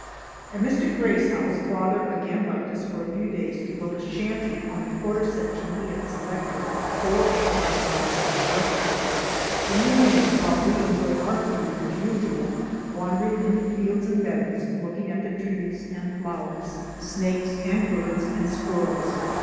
At Mr. Gray's house, father again left us for a few days to build a shanty on the quarter section he had selected four or five miles to the westward. In the mean while we enjoyed our freedom as usual, wandering in the fields and meadows, looking at the trees and flowers, snakes and birds and squirrels.